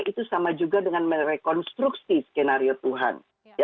itu sama juga dengan merekonstruksi skenario tuhan